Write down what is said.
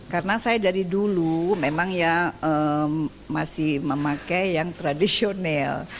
karena saya dari dulu memang ya masih memakai yang tradisional